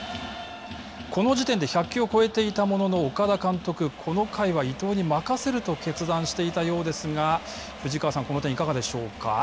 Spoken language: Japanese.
この時点で１００球を超えていたものの岡田監督、この回は伊藤に任せると決断していたようですが藤川さん、この点、いかがでしょうか。